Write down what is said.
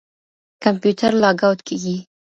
کمپيوټر لاګ آوټ کېږي.